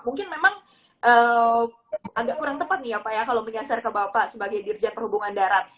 mungkin memang agak kurang tepat nih ya pak ya kalau menyasar ke bapak sebagai dirjen perhubungan darat